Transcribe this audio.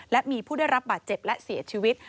และมีผู้ได้รับบาดเจ็บและเสียชีวิต